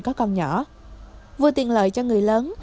có con nhỏ vừa tiện lợi cho người lớn